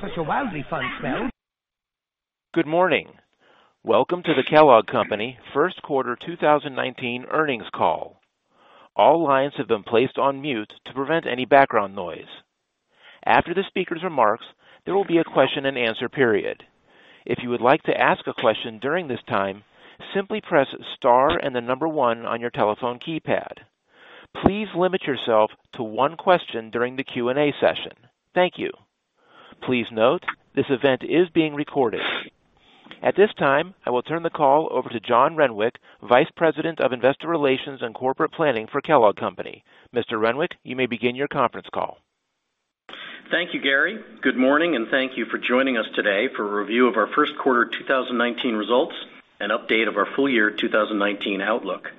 Such a wildly fun spell Good morning. Welcome to The Kellogg Company 1st quarter 2019 earnings call. All lines have been placed on mute to prevent any background noise. After the speaker's remarks, there will be a question and answer period. If you would like to ask a question during this time, simply press star and the number 1 on your telephone keypad. Please limit yourself to one question during the Q&A session. Thank you. Please note, this event is being recorded. At this time, I will turn the call over to John Renwick, Vice President of Investor Relations and Corporate Planning for Kellogg Company. Mr. Renwick, you may begin your conference call. Thank you, Gary. Good morning, and thank you for joining us today for a review of our 1st quarter 2019 results and update of our full year 2019 outlook.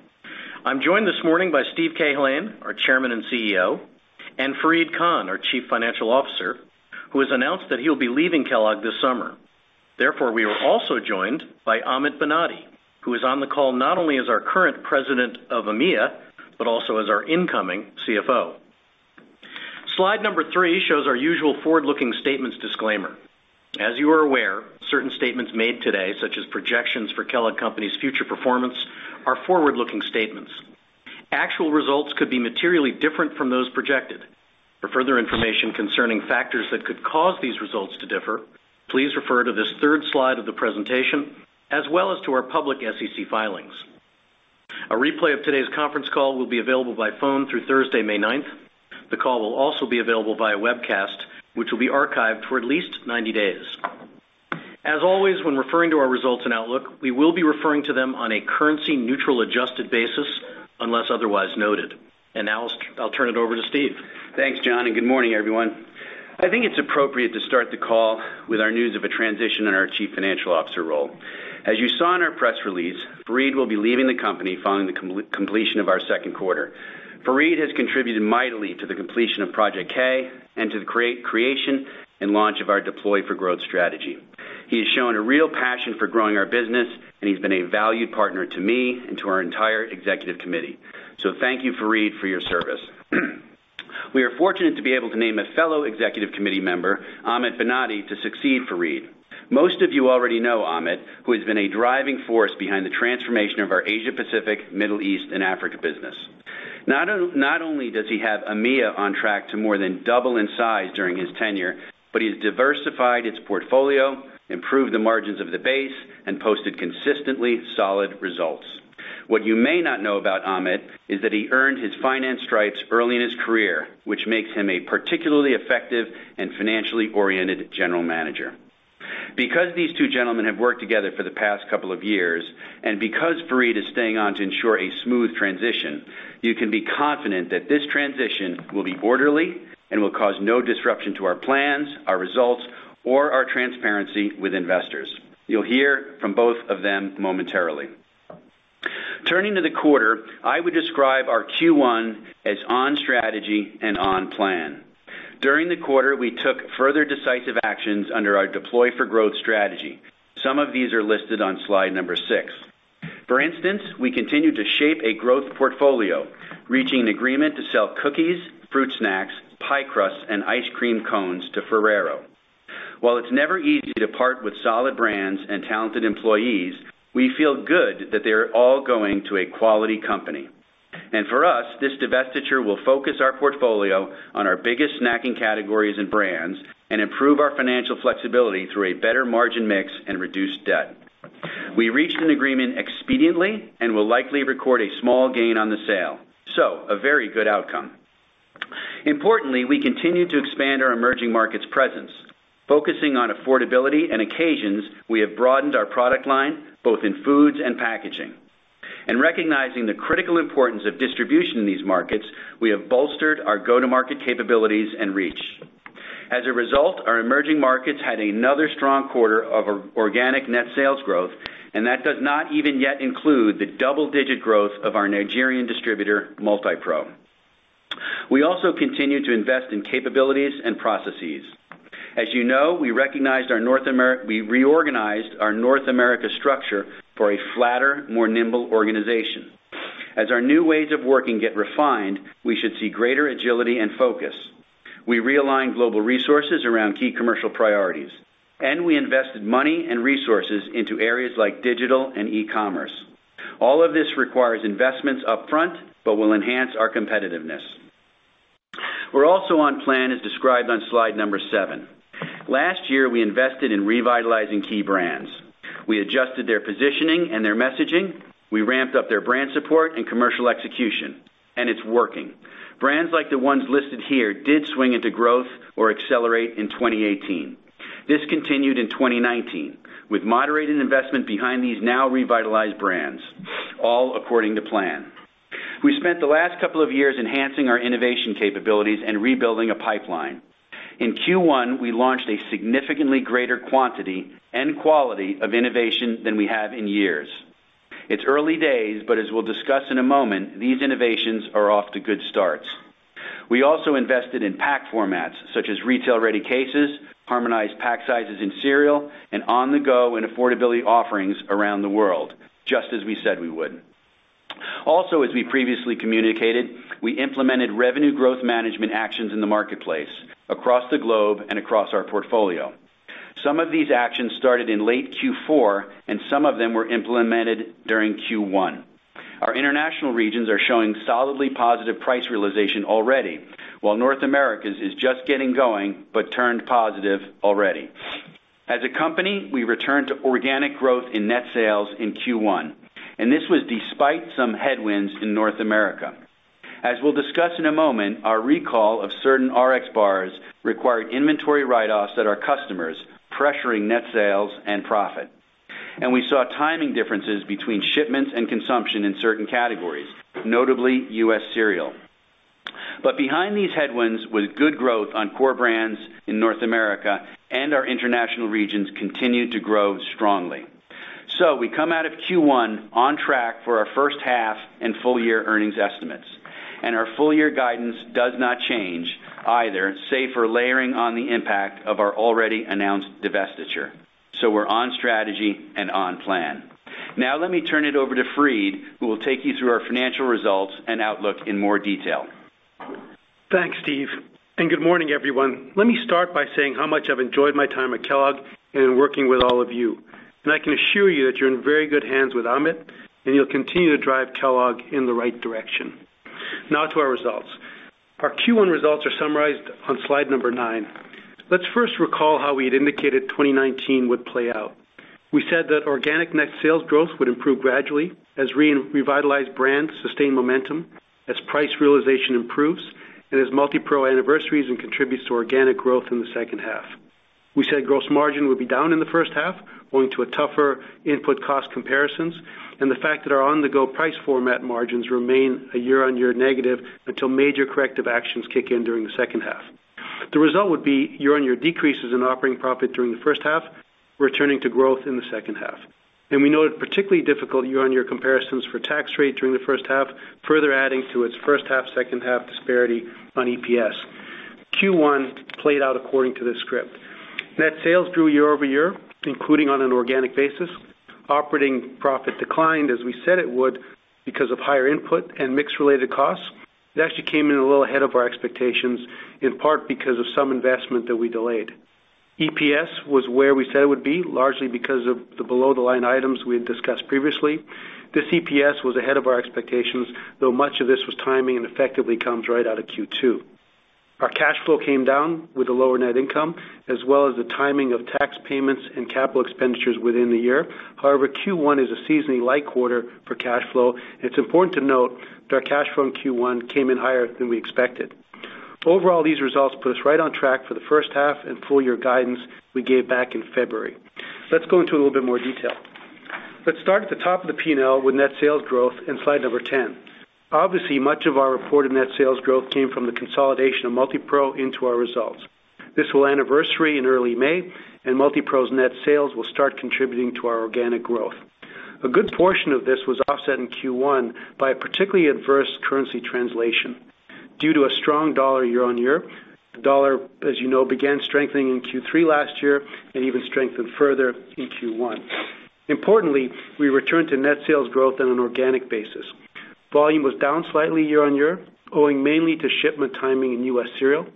I'm joined this morning by Steve Cahillane, our Chairman and Chief Executive Officer, and Fareed Khan, our Chief Financial Officer, who has announced that he'll be leaving Kellogg this summer. Therefore, we are also joined by Amit Banati, who is on the call not only as our current President of EMEA, but also as our incoming CFO. Slide number three shows our usual forward-looking statements disclaimer. As you are aware, certain statements made today, such as projections for Kellogg Company's future performance, are forward-looking statements. Actual results could be materially different from those projected. For further information concerning factors that could cause these results to differ, please refer to this third slide of the presentation as well as to our public SEC filings. A replay of today's conference call will be available by phone through Thursday, May ninth. The call will also be available via webcast, which will be archived for at least 90 days. As always, when referring to our results and outlook, we will be referring to them on a currency neutral adjusted basis unless otherwise noted. Now, I'll turn it over to Steve. Thanks, John, and good morning, everyone. I think it's appropriate to start the call with our news of a transition in our chief financial officer role. As you saw in our press release, Fareed will be leaving the company following the completion of our second quarter. Fareed has contributed mightily to the completion of Project K and to the creation and launch of our Deploy for Growth strategy. He has shown a real passion for growing our business, and he's been a valued partner to me and to our entire executive committee. Thank you, Fareed, for your service. We are fortunate to be able to name a fellow executive committee member, Amit Banati, to succeed Fareed. Most of you already know Amit, who has been a driving force behind the transformation of our Asia Pacific, Middle East, and Africa business. Not only does he have EMEA on track to more than double in size during his tenure, but he's diversified its portfolio, improved the margins of the base, and posted consistently solid results. What you may not know about Amit is that he earned his finance stripes early in his career, which makes him a particularly effective and financially oriented general manager. Because these two gentlemen have worked together for the past couple of years, and because Fareed is staying on to ensure a smooth transition, you can be confident that this transition will be orderly and will cause no disruption to our plans, our results, or our transparency with investors. You'll hear from both of them momentarily. Turning to the quarter, I would describe our Q1 as on strategy and on plan. During the quarter, we took further decisive actions under our Deploy for Growth strategy. Some of these are listed on slide number six. For instance, we continued to shape a growth portfolio, reaching an agreement to sell cookies, fruit snacks, pie crusts, and ice cream cones to Ferrero. While it's never easy to part with solid brands and talented employees, we feel good that they're all going to a quality company. For us, this divestiture will focus our portfolio on our biggest snacking categories and brands and improve our financial flexibility through a better margin mix and reduced debt. We reached an agreement expediently and will likely record a small gain on the sale, a very good outcome. Importantly, we continue to expand our emerging markets presence. Focusing on affordability and occasions, we have broadened our product line, both in foods and packaging. In recognizing the critical importance of distribution in these markets, we have bolstered our go-to-market capabilities and reach. As a result, our emerging markets had another strong quarter of organic net sales growth, that does not even yet include the double-digit growth of our Nigerian distributor, Multipro. We also continue to invest in capabilities and processes. As you know, we reorganized our North America structure for a flatter, more nimble organization. As our new ways of working get refined, we should see greater agility and focus. We realigned global resources around key commercial priorities, and we invested money and resources into areas like digital and e-commerce. All of this requires investments upfront but will enhance our competitiveness. We're also on plan as described on slide number seven. Last year, we invested in revitalizing key brands. We adjusted their positioning and their messaging. We ramped up their brand support and commercial execution, it's working. Brands like the ones listed here did swing into growth or accelerate in 2018. This continued in 2019, with moderated investment behind these now revitalized brands, all according to plan. We spent the last couple of years enhancing our innovation capabilities and rebuilding a pipeline. In Q1, we launched a significantly greater quantity and quality of innovation than we have in years. It's early days, but as we'll discuss in a moment, these innovations are off to good starts. We also invested in pack formats such as retail-ready cases, harmonized pack sizes in cereal, and on-the-go and affordability offerings around the world, just as we said we would. Also, as we previously communicated, we implemented revenue growth management actions in the marketplace across the globe and across our portfolio. Some of these actions started in late Q4, and some of them were implemented during Q1. Our international regions are showing solidly positive price realization already, while North America is just getting going, but turned positive already. As a company, we returned to organic growth in net sales in Q1, and this was despite some headwinds in North America. As we'll discuss in a moment, our recall of certain RXBAR required inventory write-offs at our customers, pressuring net sales and profit. We saw timing differences between shipments and consumption in certain categories, notably U.S. cereal. Behind these headwinds was good growth on core brands in North America, and our international regions continued to grow strongly. We come out of Q1 on track for our first half and full year earnings estimates, and our full year guidance does not change either, save for layering on the impact of our already announced divestiture. We're on strategy and on plan. Now let me turn it over to Fareed, who will take you through our financial results and outlook in more detail. Thanks, Steve, and good morning, everyone. Let me start by saying how much I've enjoyed my time at Kellogg and in working with all of you. I can assure you that you're in very good hands with Amit, and he'll continue to drive Kellogg in the right direction. Now to our results. Our Q1 results are summarized on slide number nine. Let's first recall how we had indicated 2019 would play out. We said that organic net sales growth would improve gradually as revitalized brands sustain momentum, as price realization improves, and as Multipro anniversaries and contributes to organic growth in the second half. We said gross margin would be down in the first half, owing to tougher input cost comparisons, and the fact that our on-the-go price format margins remain a year-on-year negative until major corrective actions kick in during the second half. The result would be year-on-year decreases in operating profit during the first half, returning to growth in the second half. We know that particularly difficult year-on-year comparisons for tax rate during the first half, further adding to its first half, second half disparity on EPS. Q1 played out according to the script. Net sales grew year-over-year, including on an organic basis. Operating profit declined, as we said it would, because of higher input and mix-related costs. That actually came in a little ahead of our expectations, in part because of some investment that we delayed. EPS was where we said it would be, largely because of the below-the-line items we had discussed previously. This EPS was ahead of our expectations, though much of this was timing and effectively comes right out of Q2. Our cash flow came down with the lower net income, as well as the timing of tax payments and capital expenditures within the year. However, Q1 is a seasonally light quarter for cash flow, and it's important to note that our cash flow in Q1 came in higher than we expected. Overall, these results put us right on track for the first half and full year guidance we gave back in February. Let's go into a little bit more detail. Let's start at the top of the P&L with net sales growth in slide number 10. Obviously, much of our reported net sales growth came from the consolidation of Multipro into our results. This will anniversary in early May, and Multipro's net sales will start contributing to our organic growth. A good portion of this was offset in Q1 by a particularly adverse currency translation due to a strong dollar year-on-year. The dollar, as you know, began strengthening in Q3 last year and even strengthened further in Q1. Importantly, we returned to net sales growth on an organic basis. Volume was down slightly year-on-year, owing mainly to shipment timing in U.S. cereal.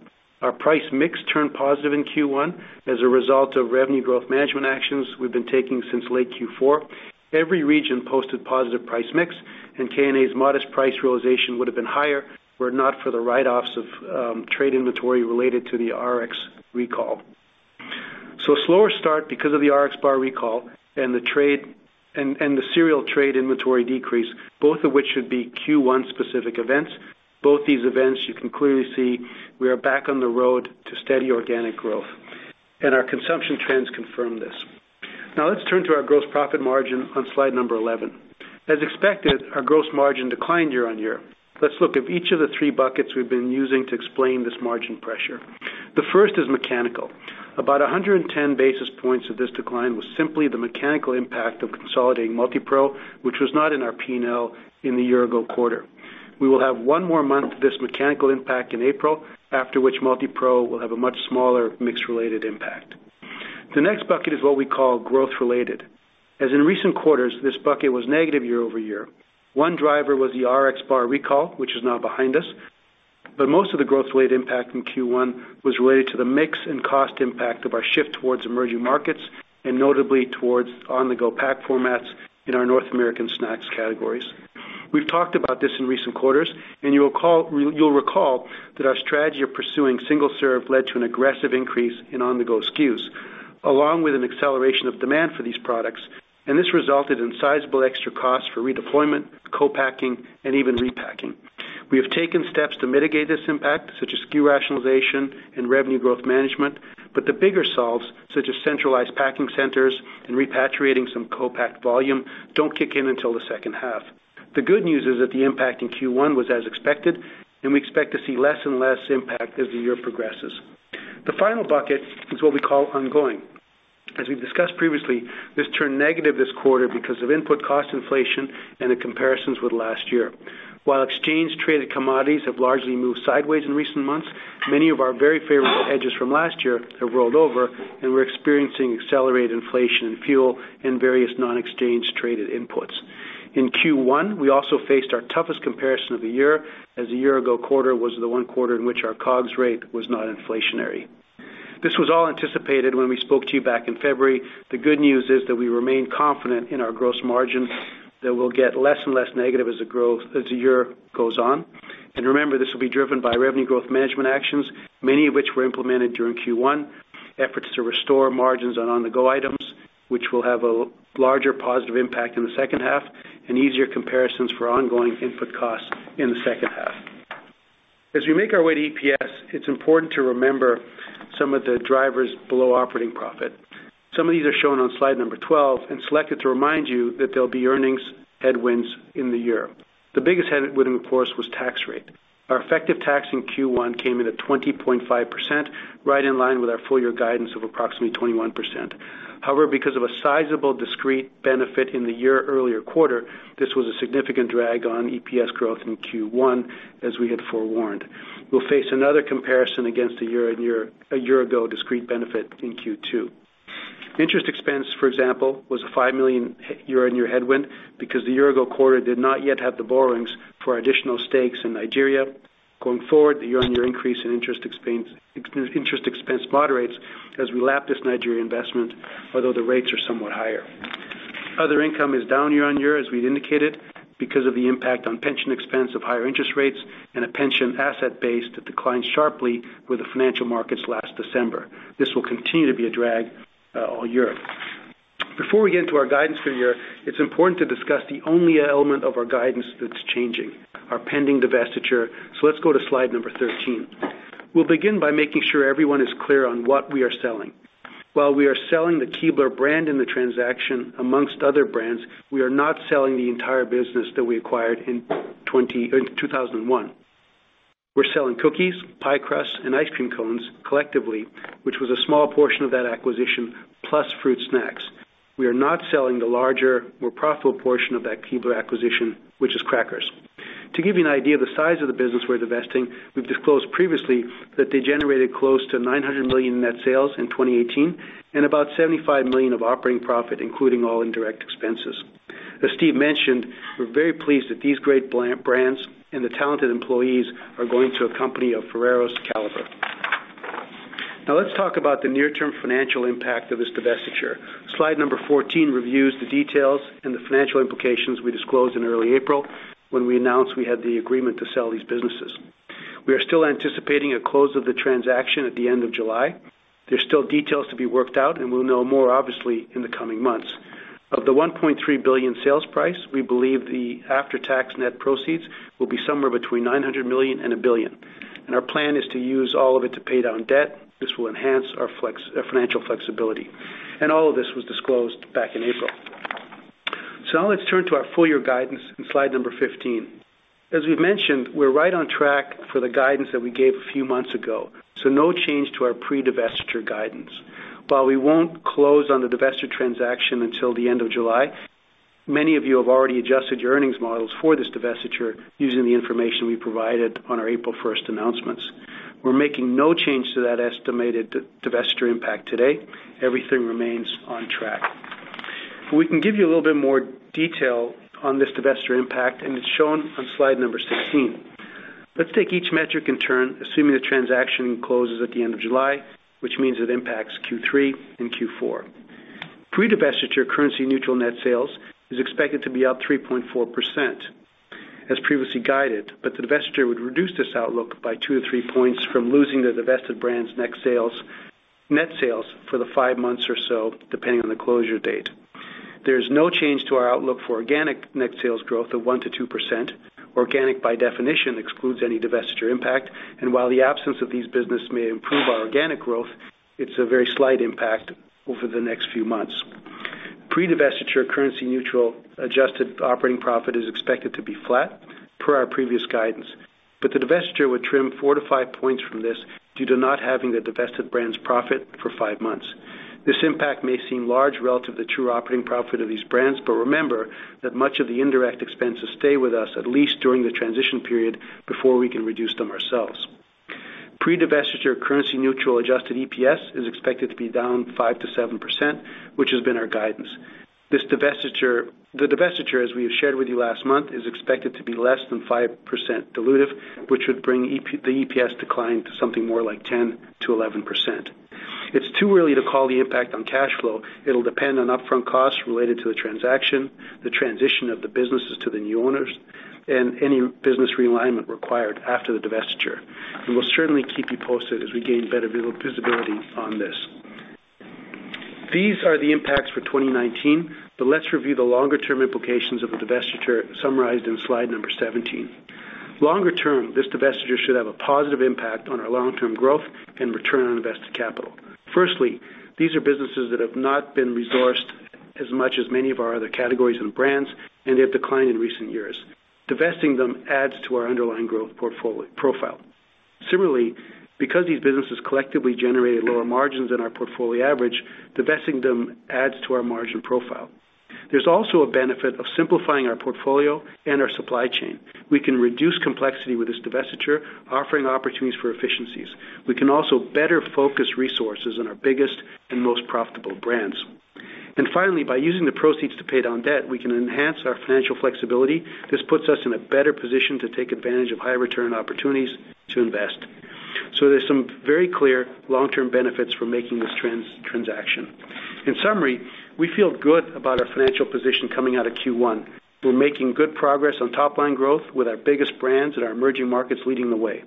Our price mix turned positive in Q1 as a result of revenue growth management actions we've been taking since late Q4. Every region posted positive price mix, and KNA's modest price realization would have been higher were it not for the write-offs of trade inventory related to the RXBAR recall. So a slower start because of the RXBAR recall and the cereal trade inventory decrease, both of which should be Q1 specific events. Both these events, you can clearly see we are back on the road to steady organic growth, and our consumption trends confirm this. Let's turn to our gross profit margin on slide number 11. As expected, our gross margin declined year-on-year. Let's look at each of the three buckets we've been using to explain this margin pressure. The first is mechanical. About 110 basis points of this decline was simply the mechanical impact of consolidating Multipro, which was not in our P&L in the year ago quarter. We will have one more month of this mechanical impact in April, after which Multipro will have a much smaller mix-related impact. The next bucket is what we call growth-related. As in recent quarters, this bucket was negative year-over-year. One driver was the RXBAR recall, which is now behind us, but most of the growth-related impact in Q1 was related to the mix and cost impact of our shift towards emerging markets and notably towards on-the-go pack formats in our North American snacks categories. We've talked about this in recent quarters, and you'll recall that our strategy of pursuing single-serve led to an aggressive increase in on-the-go SKUs, along with an acceleration of demand for these products, and this resulted in sizable extra costs for redeployment, co-packing, and even repacking. We have taken steps to mitigate this impact, such as SKU rationalization and revenue growth management, but the bigger solves, such as centralized packing centers and repatriating some co-pack volume, don't kick in until the second half. The good news is that the impact in Q1 was as expected, and we expect to see less and less impact as the year progresses. The final bucket is what we call ongoing. As we've discussed previously, this turned negative this quarter because of input cost inflation and the comparisons with last year. Exchange-traded commodities have largely moved sideways in recent months, many of our very favorite edges from last year have rolled over, and we're experiencing accelerated inflation in fuel and various non-exchange traded inputs. In Q1, we also faced our toughest comparison of the year, as a year-ago quarter was the one quarter in which our COGS rate was not inflationary. This was all anticipated when we spoke to you back in February. The good news is that we remain confident in our gross margin that will get less and less negative as the year goes on. Remember, this will be driven by revenue growth management actions, many of which were implemented during Q1, efforts to restore margins on the go items, which will have a larger positive impact in the second half, and easier comparisons for ongoing input costs in the second half. As we make our way to EPS, it's important to remember some of the drivers below operating profit. Some of these are shown on slide number 12 and selected to remind you that there'll be earnings headwinds in the year. The biggest headwind, of course, was tax rate. Our effective tax in Q1 came in at 20.5%, right in line with our full-year guidance of approximately 21%. However, because of a sizable discrete benefit in the year-earlier quarter, this was a significant drag on EPS growth in Q1, as we had forewarned. We'll face another comparison against a year-ago discrete benefit in Q2. Interest expense, for example, was a $5 million year-on-year headwind because the year-ago quarter did not yet have the borrowings for additional stakes in Nigeria. Going forward, the year-on-year increase in interest expense moderates as we lap this Nigeria investment, although the rates are somewhat higher. Other income is down year-on-year, as we'd indicated, because of the impact on pension expense of higher interest rates and a pension asset base that declined sharply with the financial markets last December. This will continue to be a drag all year. Before we get into our guidance for the year, it's important to discuss the only element of our guidance that's changing, our pending divestiture. Let's go to slide number 13. We'll begin by making sure everyone is clear on what we are selling. While we are selling the Keebler brand in the transaction amongst other brands, we are not selling the entire business that we acquired in 2001. We're selling cookies, pie crusts, and ice cream cones collectively, which was a small portion of that acquisition, plus fruit snacks. We are not selling the larger, more profitable portion of that Keebler acquisition, which is crackers. To give you an idea of the size of the business we're divesting, we've disclosed previously that they generated close to $900 million in net sales in 2018 and about $75 million of operating profit, including all indirect expenses. As Steve mentioned, we're very pleased that these great brands and the talented employees are going to a company of Ferrero's caliber. Now let's talk about the near-term financial impact of this divestiture. Slide number 14 reviews the details and the financial implications we disclosed in early April when we announced we had the agreement to sell these businesses. We are still anticipating a close of the transaction at the end of July. There's still details to be worked out, and we'll know more, obviously, in the coming months. Of the $1.3 billion sales price, we believe the after-tax net proceeds will be somewhere between $900 million and $1 billion. Our plan is to use all of it to pay down debt. This will enhance our financial flexibility. All of this was disclosed back in April. Now let's turn to our full-year guidance in slide number 15. As we've mentioned, we're right on track for the guidance that we gave a few months ago, so no change to our pre-divestiture guidance. While we won't close on the divestiture transaction until the end of July, many of you have already adjusted your earnings models for this divestiture using the information we provided on our April 1st announcements. We're making no change to that estimated divestiture impact today. Everything remains on track. We can give you a little bit more detail on this divestiture impact, and it's shown on slide number 16. Let's take each metric in turn, assuming the transaction closes at the end of July, which means it impacts Q3 and Q4. Pre-divestiture currency neutral net sales is expected to be up 3.4%, as previously guided, but the divestiture would reduce this outlook by 2-3 points from losing the divested brands' net sales for the five months or so, depending on the closure date. There's no change to our outlook for organic net sales growth of 1%-2%. Organic, by definition, excludes any divestiture impact. While the absence of these business may improve our organic growth, it's a very slight impact over the next few months. Pre-divestiture currency neutral adjusted operating profit is expected to be flat per our previous guidance, the divestiture would trim 4-5 points from this due to not having the divested brands' profit for five months. This impact may seem large relative to true operating profit of these brands, remember that much of the indirect expenses stay with us at least during the transition period before we can reduce them ourselves. Pre-divestiture currency neutral adjusted EPS is expected to be down 5%-7%, which has been our guidance. The divestiture, as we have shared with you last month, is expected to be less than 5% dilutive, which would bring the EPS decline to something more like 10%-11%. It's too early to call the impact on cash flow. It'll depend on upfront costs related to the transaction, the transition of the businesses to the new owners, and any business realignment required after the divestiture. We'll certainly keep you posted as we gain better visibility on this. These are the impacts for 2019, but let's review the longer-term implications of the divestiture summarized in slide number 17. Longer term, this divestiture should have a positive impact on our long-term growth and return on invested capital. Firstly, these are businesses that have not been resourced as much as many of our other categories and brands, and they have declined in recent years. Divesting them adds to our underlying growth profile. Similarly, because these businesses collectively generated lower margins than our portfolio average, divesting them adds to our margin profile. There's also a benefit of simplifying our portfolio and our supply chain. We can reduce complexity with this divestiture, offering opportunities for efficiencies. We can also better focus resources on our biggest and most profitable brands. Finally, by using the proceeds to pay down debt, we can enhance our financial flexibility. This puts us in a better position to take advantage of high return opportunities to invest. There's some very clear long-term benefits for making this transaction. In summary, we feel good about our financial position coming out of Q1. We're making good progress on top line growth with our biggest brands and our emerging markets leading the way.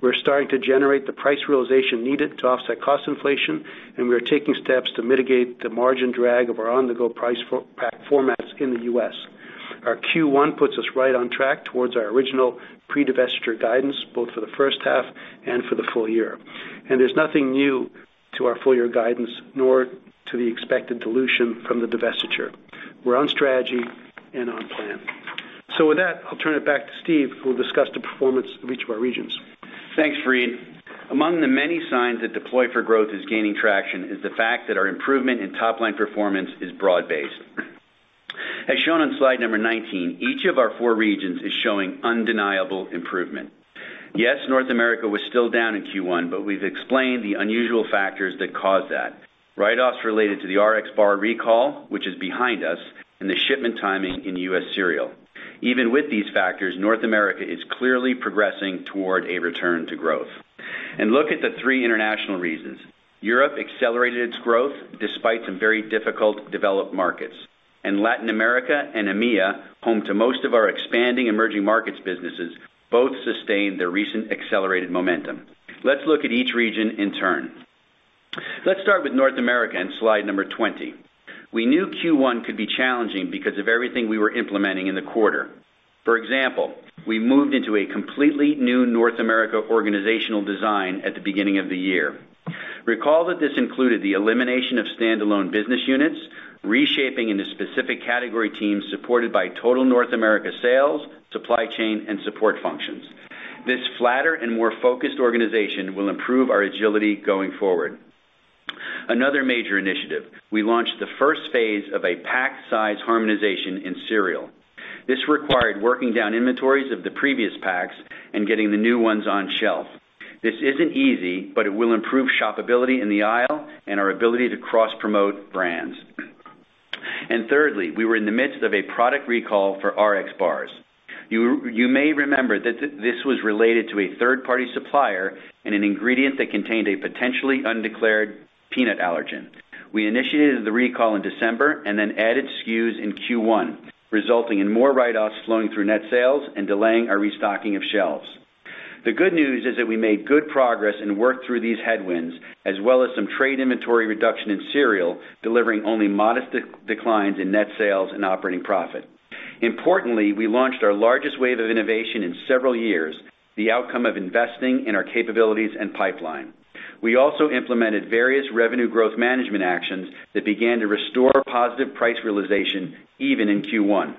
We're starting to generate the price realization needed to offset cost inflation, we are taking steps to mitigate the margin drag of our on-the-go price formats in the U.S. Our Q1 puts us right on track towards our original pre-divestiture guidance, both for the first half and for the full year. There's nothing new to our full-year guidance, nor to the expected dilution from the divestiture. We're on strategy and on plan. With that, I'll turn it back to Steve, who will discuss the performance of each of our regions. Thanks, Fareed. Among the many signs that Deploy for Growth is gaining traction is the fact that our improvement in top line performance is broad-based. As shown on slide number 19, each of our four regions is showing undeniable improvement. Yes, North America was still down in Q1, but we've explained the unusual factors that caused that. Write-offs related to the RXBAR recall, which is behind us, and the shipment timing in U.S. Cereal. Even with these factors, North America is clearly progressing toward a return to growth. Look at the three international regions. Europe accelerated its growth despite some very difficult developed markets, Latin America and EMEA, home to most of our expanding emerging markets businesses, both sustained their recent accelerated momentum. Let's look at each region in turn. Let's start with North America on slide number 20. We knew Q1 could be challenging because of everything we were implementing in the quarter. For example, we moved into a completely new North America organizational design at the beginning of the year. Recall that this included the elimination of stand-alone business units, reshaping into specific category teams supported by total North America sales, supply chain, and support functions. This flatter and more focused organization will improve our agility going forward. Another major initiative, we launched the first phase of a pack size harmonization in cereal. This required working down inventories of the previous packs and getting the new ones on shelf. This isn't easy, but it will improve shopability in the aisle and our ability to cross-promote brands. Thirdly, we were in the midst of a product recall for RXBARs. You may remember that this was related to a third-party supplier and an ingredient that contained a potentially undeclared peanut allergen. We initiated the recall in December and then added SKUs in Q1, resulting in more write-offs flowing through net sales and delaying our restocking of shelves. The good news is that we made good progress and worked through these headwinds, as well as some trade inventory reduction in cereal, delivering only modest declines in net sales and operating profit. Importantly, we launched our largest wave of innovation in several years, the outcome of investing in our capabilities and pipeline. We also implemented various revenue growth management actions that began to restore positive price realization even in Q1.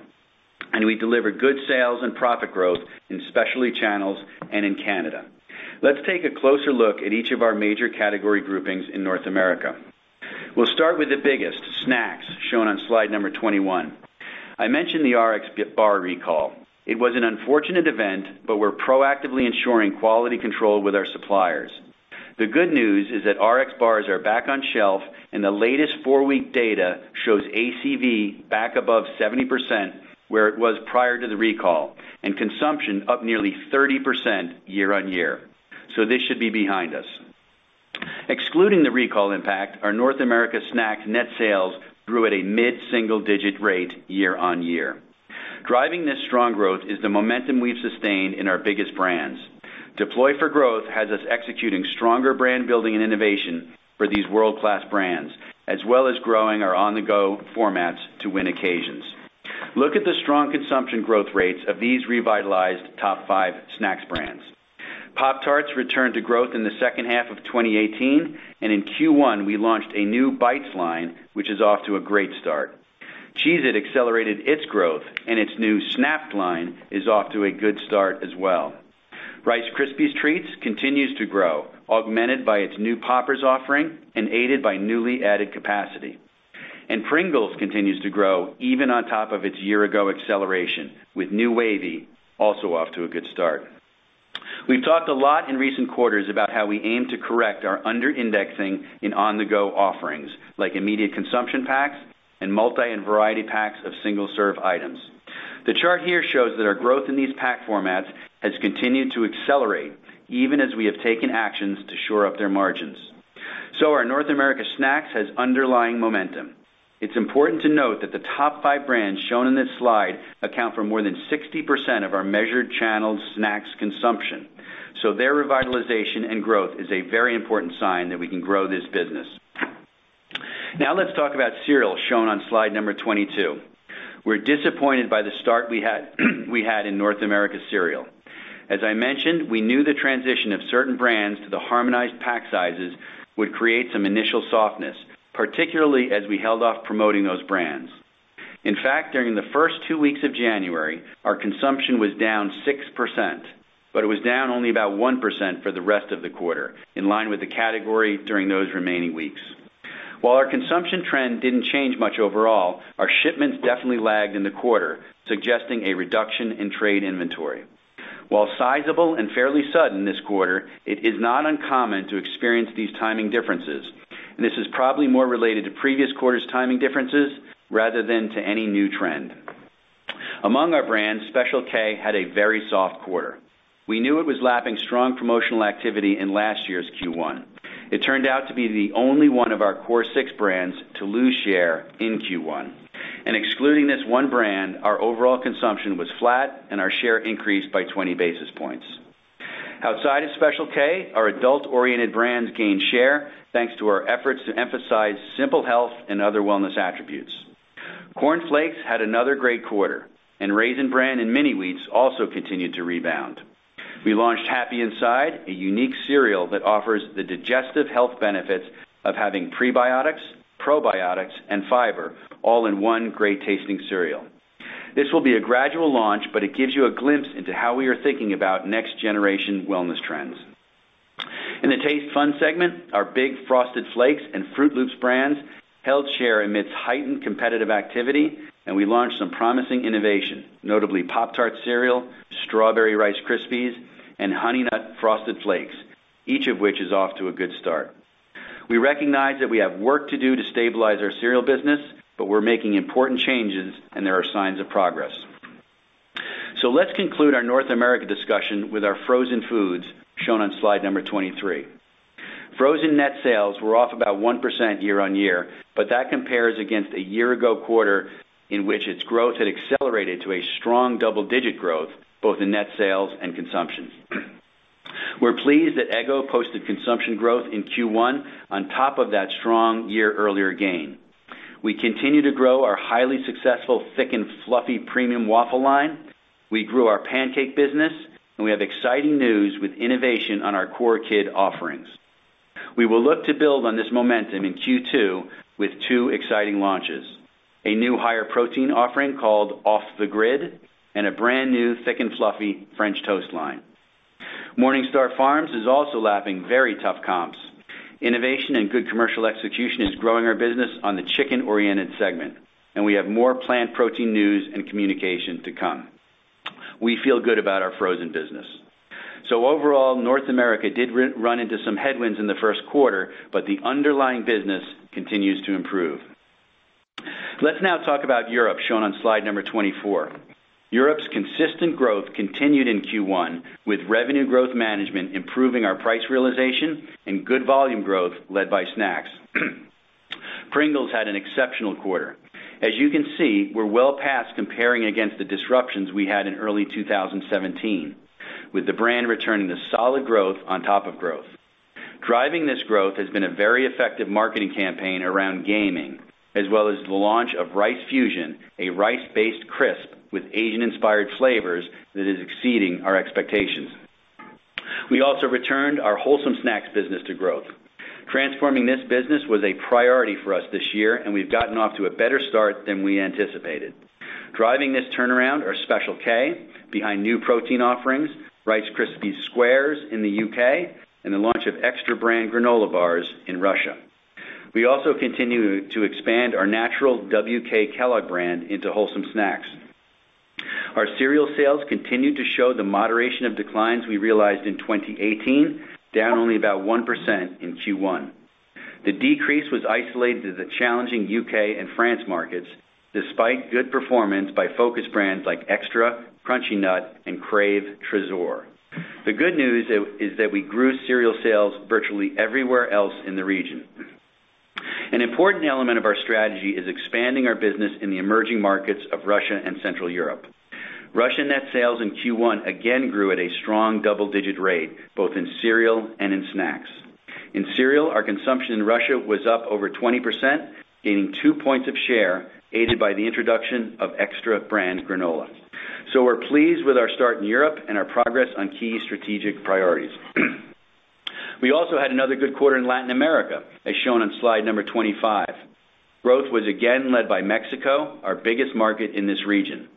We delivered good sales and profit growth in specialty channels and in Canada. Let's take a closer look at each of our major category groupings in North America. We'll start with the biggest, snacks, shown on slide number 21. I mentioned the RXBAR recall. It was an unfortunate event, but we're proactively ensuring quality control with our suppliers. The good news is that RXBARs are back on shelf, and the latest four-week data shows ACV back above 70%, where it was prior to the recall, and consumption up nearly 30% year-on-year. This should be behind us. Excluding the recall impact, our North America snacks net sales grew at a mid-single-digit rate year-on-year. Driving this strong growth is the momentum we've sustained in our biggest brands. Deploy for Growth has us executing stronger brand building and innovation for these world-class brands, as well as growing our on-the-go formats to win occasions. Look at the strong consumption growth rates of these revitalized top five snacks brands. Pop-Tarts returned to growth in the second half of 2018, and in Q1, we launched a new Bites line, which is off to a great start. Cheez-It accelerated its growth, and its new Snap'd line is off to a good start as well. Rice Krispies Treats continues to grow, augmented by its new Poppers offering and aided by newly added capacity. Pringles continues to grow even on top of its year-ago acceleration, with new Wavy also off to a good start. We've talked a lot in recent quarters about how we aim to correct our under-indexing in on-the-go offerings, like immediate consumption packs and multi- and variety packs of single-serve items. The chart here shows that our growth in these pack formats has continued to accelerate even as we have taken actions to shore up their margins. Our North America snacks has underlying momentum. It's important to note that the top five brands shown in this slide account for more than 60% of our measured channel snacks consumption. Their revitalization and growth is a very important sign that we can grow this business. Now let's talk about cereal shown on slide number 22. We're disappointed by the start we had in North America cereal. As I mentioned, we knew the transition of certain brands to the harmonized pack sizes would create some initial softness, particularly as we held off promoting those brands. In fact, during the first two weeks of January, our consumption was down 6%, but it was down only about 1% for the rest of the quarter, in line with the category during those remaining weeks. While our consumption trend didn't change much overall, our shipments definitely lagged in the quarter, suggesting a reduction in trade inventory. While sizable and fairly sudden this quarter, it is not uncommon to experience these timing differences, and this is probably more related to previous quarters timing differences rather than to any new trend. Among our brands, Special K had a very soft quarter. We knew it was lapping strong promotional activity in last year's Q1. It turned out to be the only one of our core six brands to lose share in Q1. Excluding this one brand, our overall consumption was flat and our share increased by 20 basis points. Outside of Special K, our adult-oriented brands gained share, thanks to our efforts to emphasize simple health and other wellness attributes. Corn Flakes had another great quarter, and Raisin Bran and Mini Wheats also continued to rebound. We launched Happy Inside, a unique cereal that offers the digestive health benefits of having prebiotics, probiotics, and fiber all in one great tasting cereal. This will be a gradual launch, but it gives you a glimpse into how we are thinking about next generation wellness trends. In the Taste Fun segment, our big Frosted Flakes and Froot Loops brands held share amidst heightened competitive activity, and we launched some promising innovation, notably Pop-Tart Cereal, Strawberry Krispies, and Honey Nut Frosted Flakes, each of which is off to a good start. We recognize that we have work to do to stabilize our cereal business, but we're making important changes and there are signs of progress. Let's conclude our North America discussion with our frozen foods, shown on slide number 23. Frozen net sales were off about 1% year-over-year, but that compares against a year ago quarter in which its growth had accelerated to a strong double-digit growth, both in net sales and consumptions. We're pleased that Eggo posted consumption growth in Q1 on top of that strong year earlier gain. We continue to grow our highly successful thick and fluffy premium waffle line, we grew our pancake business, and we have exciting news with innovation on our core kid offerings. We will look to build on this momentum in Q2 with two exciting launches, a new higher protein offering called Off the Grid, and a brand new thick and fluffy French toast line. MorningStar Farms is also lapping very tough comps. Innovation and good commercial execution is growing our business on the chicken-oriented segment, and we have more plant protein news and communication to come. We feel good about our frozen business. Overall, North America did run into some headwinds in the first quarter, but the underlying business continues to improve. Let's now talk about Europe, shown on slide number 24. Europe's consistent growth continued in Q1, with revenue growth management improving our price realization and good volume growth led by snacks. Pringles had an exceptional quarter. As you can see, we're well past comparing against the disruptions we had in early 2017, with the brand returning to solid growth on top of growth. Driving this growth has been a very effective marketing campaign around gaming, as well as the launch of Rice Fusion, a rice-based crisp with Asian-inspired flavors that is exceeding our expectations. We also returned our wholesome snacks business to growth. Transforming this business was a priority for us this year, we've gotten off to a better start than we anticipated. Driving this turnaround are Special K behind new protein offerings, Rice Krispies Squares in the U.K., and the launch of Extra brand granola bars in Russia. We also continue to expand our natural WK Kellogg brand into wholesome snacks. Our cereal sales continue to show the moderation of declines we realized in 2018, down only about 1% in Q1. The decrease was isolated to the challenging U.K. and France markets, despite good performance by focus brands like Extra, Crunchy Nut, Krave Trésor. The good news is that we grew cereal sales virtually everywhere else in the region. An important element of our strategy is expanding our business in the emerging markets of Russia and Central Europe. Russia net sales in Q1 again grew at a strong double-digit rate, both in cereal and in snacks. In cereal, our consumption in Russia was up over 20%, gaining 2 points of share, aided by the introduction of Extra brand granola. We're pleased with our start in Europe and our progress on key strategic priorities. We also had another good quarter in Latin America, as shown on slide number 25. Growth was again led by Mexico, our biggest market in this region.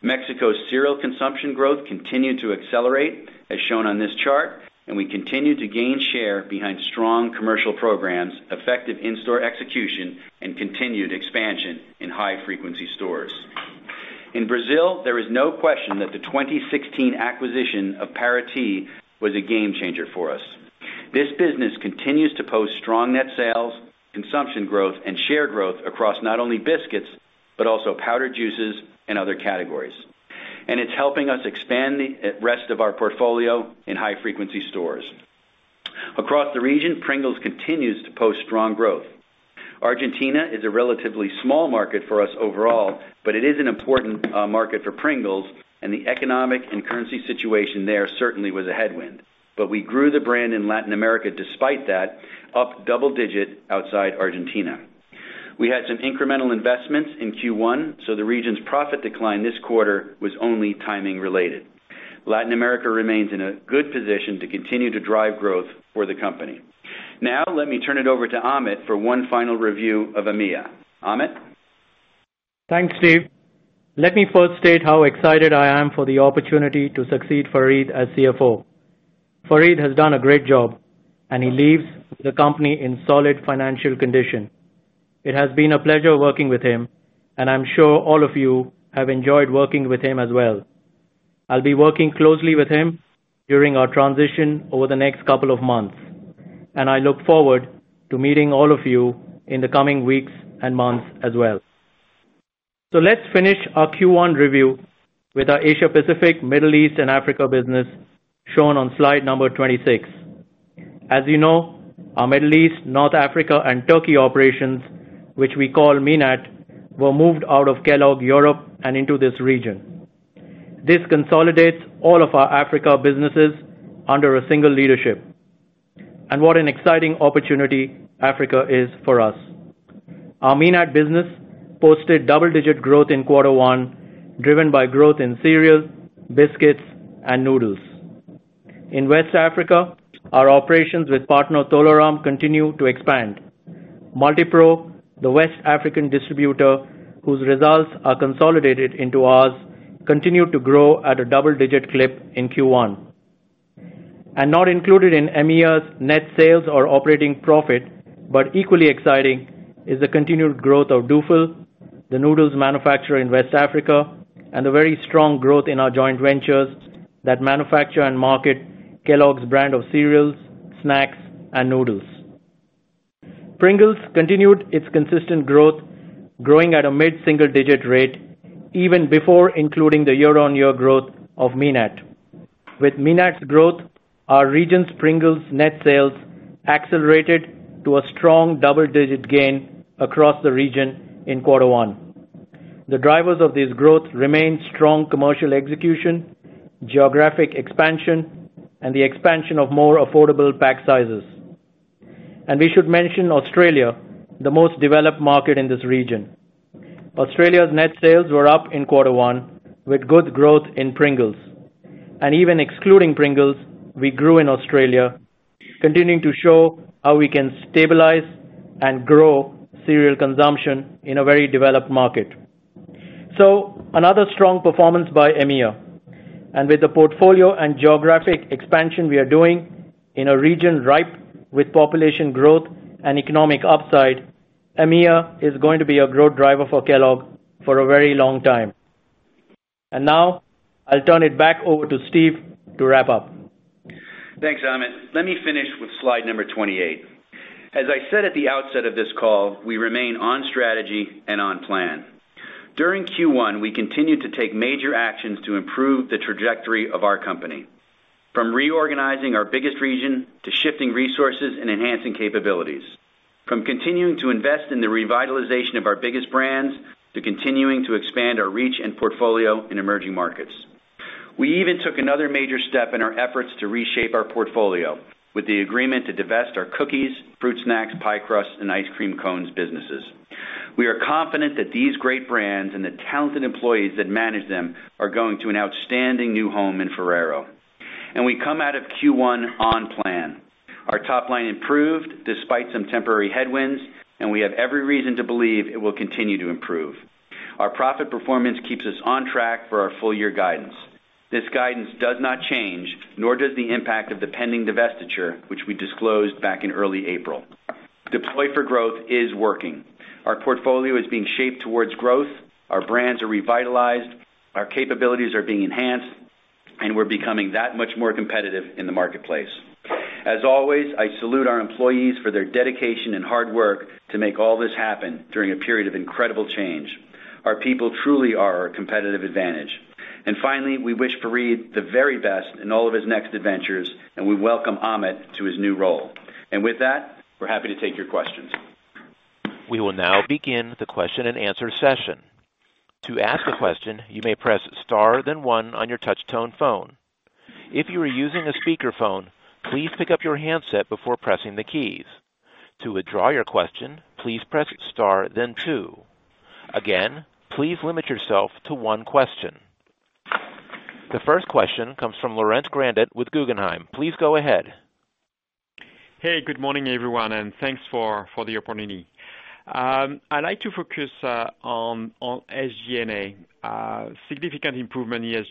Mexico's cereal consumption growth continued to accelerate, as shown on this chart, and we continued to gain share behind strong commercial programs, effective in-store execution, and continued expansion in high frequency stores. In Brazil, there is no question that the 2016 acquisition of Parati was a game changer for us. This business continues to post strong net sales, consumption growth, and share growth across not only biscuits, but also powdered juices and other categories. It's helping us expand the rest of our portfolio in high frequency stores. Across the region, Pringles continues to post strong growth. Argentina is a relatively small market for us overall, but it is an important market for Pringles and the economic and currency situation there certainly was a headwind. We grew the brand in Latin America despite that, up double-digit outside Argentina. We had some incremental investments in Q1, so the region's profit decline this quarter was only timing related. Latin America remains in a good position to continue to drive growth for the company. Let me turn it over to Amit for one final review of EMEA. Amit? Thanks, Steve. Let me first state how excited I am for the opportunity to succeed Fareed as CFO. Fareed has done a great job, and he leaves the company in solid financial condition. It has been a pleasure working with him, and I'm sure all of you have enjoyed working with him as well. I'll be working closely with him during our transition over the next couple of months, and I look forward to meeting all of you in the coming weeks and months as well. Let's finish our Q1 review with our Asia-Pacific, Middle East, and Africa business, shown on slide number 26. As you know, our Middle East, North Africa, and Turkey operations, which we call MENAT, were moved out of Kellogg Europe and into this region. This consolidates all of our Africa businesses under a single leadership. What an exciting opportunity Africa is for us. Our MENAT business posted double-digit growth in quarter one, driven by growth in cereal, biscuits, and noodles. In West Africa, our operations with partner Tolaram continue to expand. Multipro, the West African distributor whose results are consolidated into ours, continued to grow at a double-digit clip in Q1. Not included in EMEA's net sales or operating profit, but equally exciting, is the continued growth of Dufil, the noodles manufacturer in West Africa, and the very strong growth in our joint ventures that manufacture and market Kellogg's brand of cereals, snacks, and noodles. Pringles continued its consistent growth, growing at a mid-single digit rate even before including the year-on-year growth of MENAT. With MENAT's growth, our region's Pringles net sales accelerated to a strong double-digit gain across the region in quarter one. The drivers of this growth remain strong commercial execution, geographic expansion, and the expansion of more affordable pack sizes. We should mention Australia, the most developed market in this region. Australia's net sales were up in quarter one with good growth in Pringles. Even excluding Pringles, we grew in Australia, continuing to show how we can stabilize and grow cereal consumption in a very developed market. Another strong performance by EMEA. With the portfolio and geographic expansion we are doing in a region ripe with population growth and economic upside, EMEA is going to be a growth driver for Kellogg for a very long time. Now, I'll turn it back over to Steve to wrap up. Thanks, Amit. Let me finish with slide number 28. As I said at the outset of this call, we remain on strategy and on plan. During Q1, we continued to take major actions to improve the trajectory of our company, from reorganizing our biggest region to shifting resources and enhancing capabilities, from continuing to invest in the revitalization of our biggest brands to continuing to expand our reach and portfolio in emerging markets. We even took another major step in our efforts to reshape our portfolio with the agreement to divest our cookies, fruit snacks, pie crust, and ice cream cones businesses. We are confident that these great brands and the talented employees that manage them are going to an outstanding new home in Ferrero. We come out of Q1 on plan. Our top line improved despite some temporary headwinds. We have every reason to believe it will continue to improve. Our profit performance keeps us on track for our full-year guidance. This guidance does not change, nor does the impact of the pending divestiture, which we disclosed back in early April. Deploy for Growth is working. Our portfolio is being shaped towards growth. Our brands are revitalized. Our capabilities are being enhanced. We're becoming that much more competitive in the marketplace. As always, I salute our employees for their dedication and hard work to make all this happen during a period of incredible change. Our people truly are our competitive advantage. Finally, we wish Fareed the very best in all of his next adventures. We welcome Amit to his new role. With that, we're happy to take your questions. We will now begin the question and answer session. To ask a question, you may press star then one on your touch tone phone. If you are using a speakerphone, please pick up your handset before pressing the keys. To withdraw your question, please press star then two. Again, please limit yourself to one question. The first question comes from Laurent Grandet with Guggenheim. Please go ahead. Hey, good morning, everyone. Thanks for the opportunity. I'd like to focus on SG&A. Significant improvement in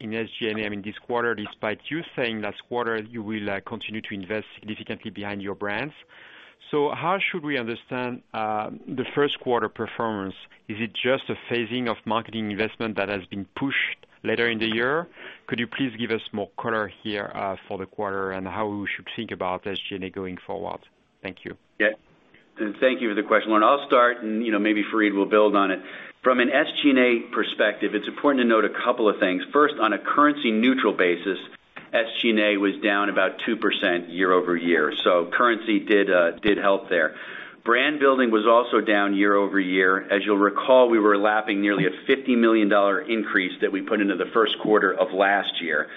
SG&A in this quarter, despite you saying that this quarter you will continue to invest significantly behind your brands. How should we understand the first quarter performance? Is it just a phasing of marketing investment that has been pushed later in the year? Could you please give us more color here for the quarter and how we should think about SG&A going forward? Thank you. Yeah. Thank you for the question, Laurent. I'll start and maybe Fareed will build on it. From an SG&A perspective, it's important to note a couple of things. First, on a currency neutral basis, SG&A was down about 2% year-over-year. Currency did help there. Brand building was also down year-over-year. As you'll recall, we were lapping nearly a $50 million increase that we put into the first quarter of last year.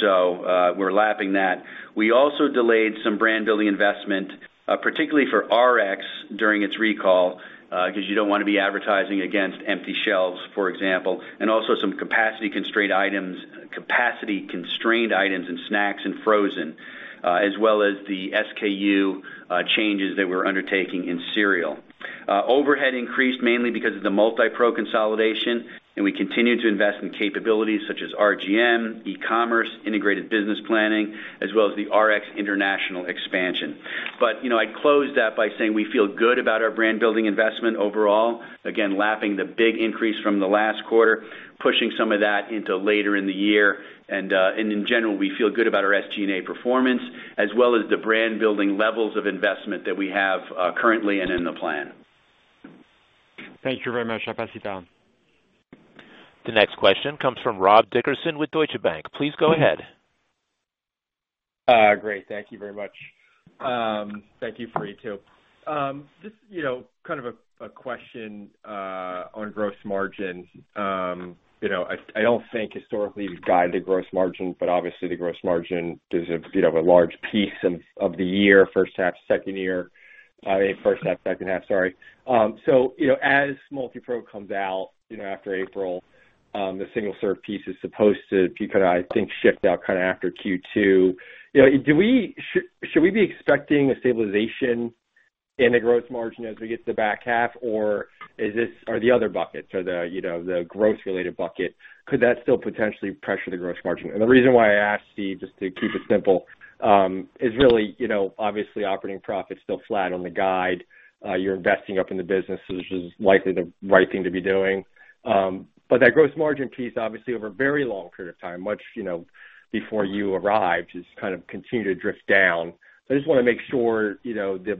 So, we're lapping that. We also delayed some brand building investment, particularly for Rx during its recall, because you don't want to be advertising against empty shelves, for example, and also some capacity constrained items in snacks and frozen. As well as the SKU changes that we're undertaking in cereal. Overhead increased mainly because of the Multipro consolidation, we continued to invest in capabilities such as RGM, e-commerce, integrated business planning, as well as the RXBAR international expansion. I close that by saying we feel good about our brand-building investment overall. Again, lapping the big increase from the last quarter, pushing some of that into later in the year. In general, we feel good about our SG&A performance, as well as the brand-building levels of investment that we have currently and in the plan. Thank you very much. I pass it down. The next question comes from Rob Dickerson with Deutsche Bank. Please go ahead. Great. Thank you very much. Thank you, Fareed, too. Just a question on gross margins. I don't think historically you've guided gross margin, but obviously the gross margin is a large piece of the year, First half, second half, sorry. As Multipro comes out after April, the single-serve piece is supposed to, I think, shift out after Q2. Should we be expecting a stabilization in the gross margin as we get to the back half, or the other bucket, so the growth-related bucket, could that still potentially pressure the gross margin? The reason why I ask, Steve, just to keep it simple, is really, obviously operating profit's still flat on the guide. You're investing up in the business, which is likely the right thing to be doing. That gross margin piece, obviously, over a very long period of time, much before you arrived, just continued to drift down. I just want to make sure the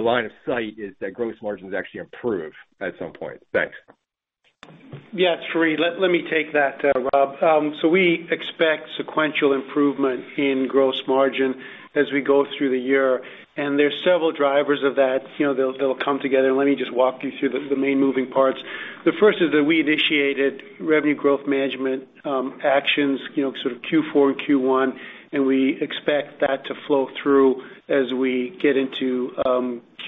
line of sight is that gross margins actually improve at some point. Thanks. Yeah. Fareed, let me take that, Rob. We expect sequential improvement in gross margin as we go through the year. There's several drivers of that that'll come together, let me just walk you through the main moving parts. The first is that we initiated revenue growth management actions, sort of Q4 and Q1, we expect that to flow through as we get into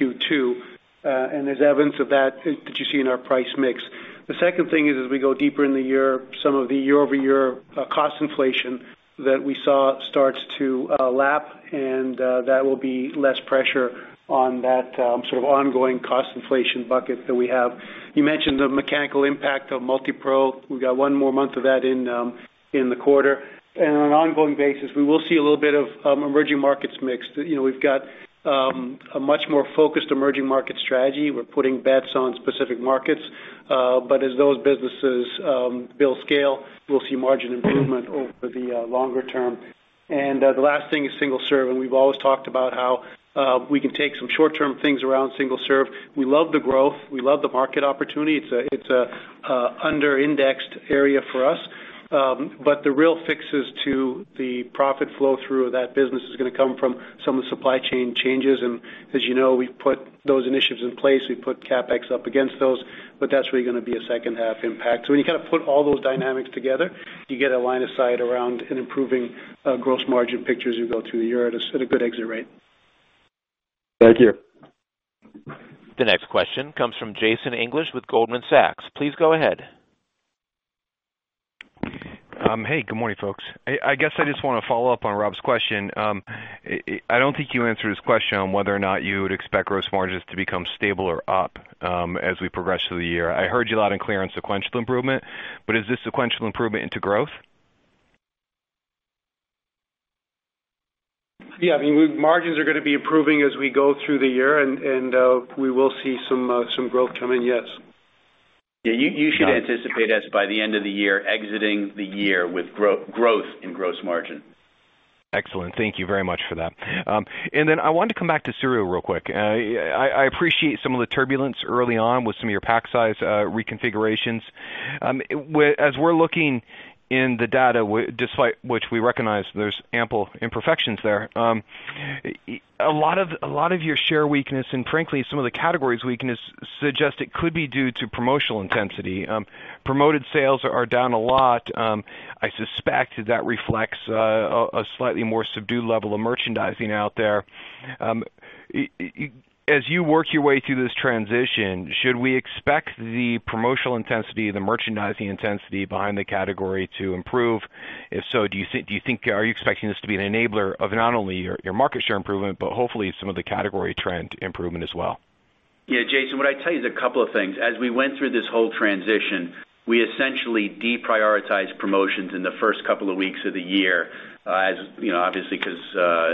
Q2. There's evidence of that that you see in our price mix. The second thing is, as we go deeper in the year, some of the year-over-year cost inflation that we saw starts to lap, that will be less pressure on that sort of ongoing cost inflation bucket that we have. You mentioned the mechanical impact of Multipro. We've got one more month of that in the quarter. On an ongoing basis, we will see a little bit of emerging markets mix. We've got a much more focused emerging market strategy. We're putting bets on specific markets. As those businesses build scale, we'll see margin improvement over the longer term. The last thing is single serve, we've always talked about how we can take some short-term things around single serve. We love the growth. We love the market opportunity. It's an under-indexed area for us. The real fixes to the profit flow through of that business is gonna come from some of the supply chain changes, as you know, we've put those initiatives in place. We've put CapEx up against those, that's really gonna be a second half impact. When you put all those dynamics together, you get a line of sight around an improving gross margin picture as you go through the year at a good exit rate. Thank you. The next question comes from Jason English with Goldman Sachs. Please go ahead. Hey, good morning, folks. I guess I just want to follow up on Rob's question. I don't think you answered his question on whether or not you would expect gross margins to become stable or up, as we progress through the year. I heard you loud and clear on sequential improvement, but is this sequential improvement into growth? Yeah, margins are gonna be improving as we go through the year, and we will see some growth coming, yes. You should anticipate us, by the end of the year, exiting the year with growth in gross margin. Excellent. Thank you very much for that. I wanted to come back to cereal real quick. I appreciate some of the turbulence early on with some of your pack size reconfigurations. As we're looking in the data, despite which we recognize there's ample imperfections there, a lot of your share weakness and frankly, some of the categories weakness suggest it could be due to promotional intensity. Promoted sales are down a lot. I suspect that reflects a slightly more subdued level of merchandising out there. As you work your way through this transition, should we expect the promotional intensity, the merchandising intensity behind the category to improve? If so, are you expecting this to be an enabler of not only your market share improvement, but hopefully some of the category trend improvement as well? Jason, what I'd tell you is a couple of things. As we went through this whole transition, we essentially deprioritized promotions in the first couple of weeks of the year, obviously, because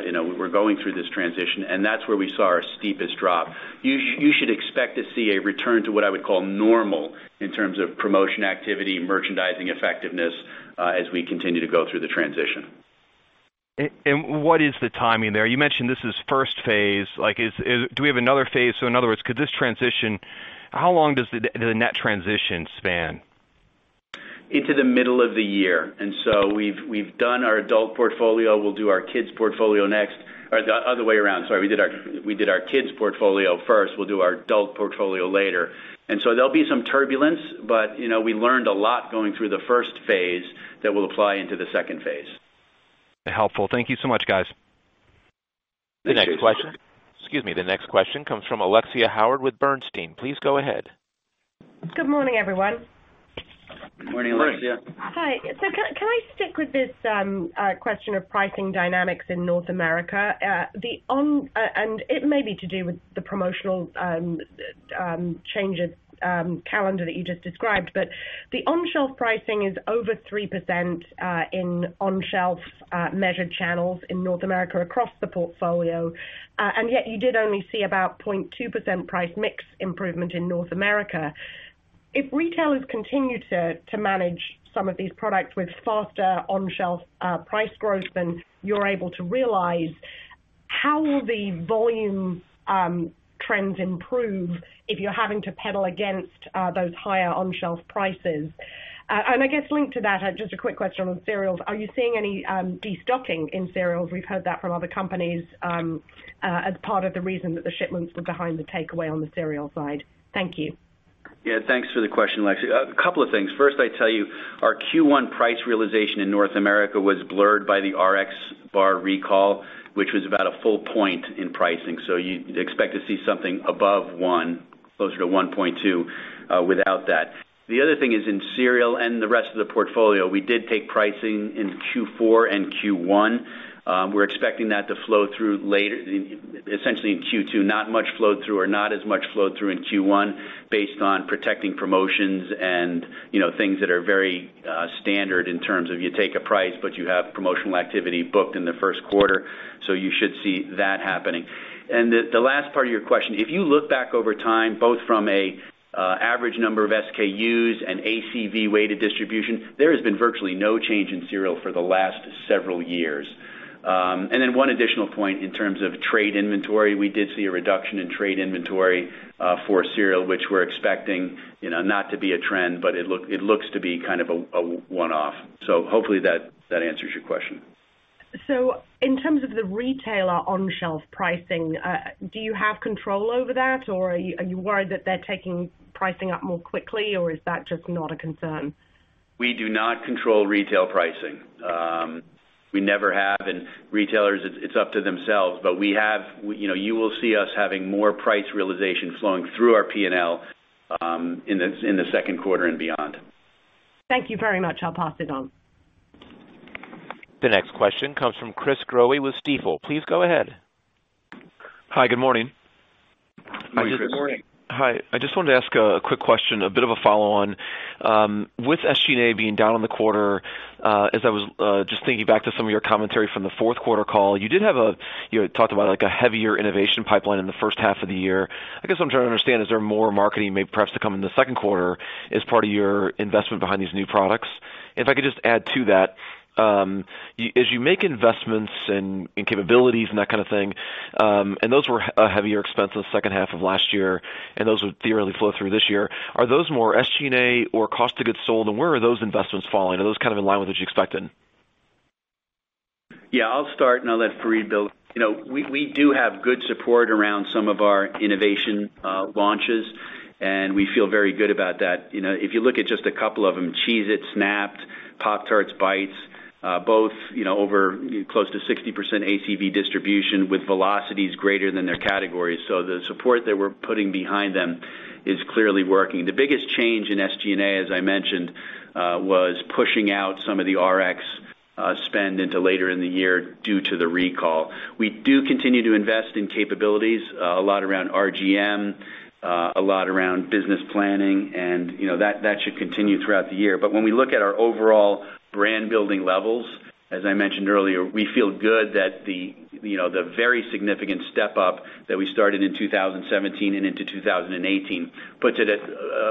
we were going through this transition, and that's where we saw our steepest drop. You should expect to see a return to what I would call normal in terms of promotion activity, merchandising effectiveness, as we continue to go through the transition. What is the timing there? You mentioned this is first phase. Do we have another phase? In other words, how long does the net transition span? Into the middle of the year. We've done our adult portfolio. We'll do our kids portfolio next. The other way around, sorry, we did our kids portfolio first. We'll do our adult portfolio later. There'll be some turbulence, but we learned a lot going through the first phase that we'll apply into the second phase. Helpful. Thank you so much, guys. The next question comes from Alexia Howard with Bernstein. Please go ahead. Good morning, everyone. Morning, Alexia. Hi. Can I stick with this question of pricing dynamics in North America? It may be to do with the promotional changes calendar that you just described, but the on-shelf pricing is over 3% in on-shelf measured channels in North America across the portfolio. Yet you did only see about 0.2% price mix improvement in North America. If retailers continue to manage some of these products with faster on-shelf price growth than you're able to realize, how will the volume trends improve if you're having to pedal against those higher on-shelf prices? I guess linked to that, just a quick question on cereals. Are you seeing any de-stocking in cereals? We've heard that from other companies as part of the reason that the shipments were behind the takeaway on the cereal side. Thank you. Yeah, thanks for the question, Alexia. A couple of things. First, I tell you, our Q1 price realization in North America was blurred by the RXBAR recall, which was about a full point in pricing. You'd expect to see something above one, closer to 1.2 without that. The other thing is in cereal and the rest of the portfolio, we did take pricing in Q4 and Q1. We're expecting that to flow through later, essentially in Q2, not much flow through or not as much flow through in Q1 based on protecting promotions and things that are very standard in terms of you take a price, but you have promotional activity booked in the first quarter, you should see that happening. The last part of your question, if you look back over time, both from a average number of SKUs and ACV weighted distribution, there has been virtually no change in cereal for the last several years. One additional point in terms of trade inventory, we did see a reduction in trade inventory for cereal, which we're expecting not to be a trend, but it looks to be kind of a one-off. Hopefully that answers your question. In terms of the retailer on-shelf pricing, do you have control over that, or are you worried that they're taking pricing up more quickly, or is that just not a concern? We do not control retail pricing. We never have, and retailers, it's up to themselves. You will see us having more price realization flowing through our P&L in the second quarter and beyond. Thank you very much. I'll pass it on. The next question comes from Chris Growe with Stifel. Please go ahead. Hi, good morning. Morning, Chris. Good morning. Hi. I just wanted to ask a quick question, a bit of a follow-on. With SG&A being down on the quarter, as I was just thinking back to some of your commentary from the fourth quarter call, you had talked about a heavier innovation pipeline in the first half of the year. I guess what I'm trying to understand, is there more marketing maybe perhaps to come in the second quarter as part of your investment behind these new products? If I could just add to that, as you make investments in capabilities and that kind of thing, and those were a heavier expense in the second half of last year, and those would theoretically flow through this year. Are those more SG&A or cost of goods sold, and where are those investments falling? Are those kind of in line with what you expected? Yeah, I'll start and I'll let Fareed build. We do have good support around some of our innovation launches, and we feel very good about that. If you look at just a couple of them, Cheez-It Snap'd, Pop-Tarts Bites both close to 60% ACV distribution with velocities greater than their categories. The support that we're putting behind them is clearly working. The biggest change in SG&A, as I mentioned, was pushing out some of the RX spend into later in the year due to the recall. We do continue to invest in capabilities, a lot around RGM, a lot around business planning, and that should continue throughout the year. When we look at our overall brand building levels, as I mentioned earlier, we feel good that the very significant step up that we started in 2017 and into 2018 puts it at